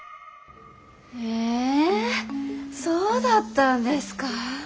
えそうだったんですかぁ。